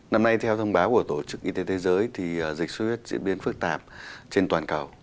năm nay theo thông báo của tổ chức y tế thế giới thì dịch xuất huyết diễn biến phức tạp trên toàn cầu